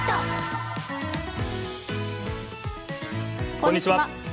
こんにちは。